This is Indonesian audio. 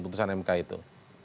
putusan mk itu